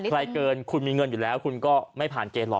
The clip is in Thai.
เกินคุณมีเงินอยู่แล้วคุณก็ไม่ผ่านเกณฑ์หรอก